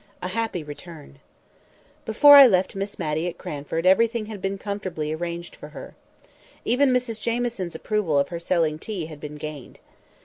A HAPPY RETURN BEFORE I left Miss Matty at Cranford everything had been comfortably arranged for her. Even Mrs Jamieson's approval of her selling tea had been gained.